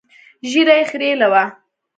ږيره يې خرييلې وه.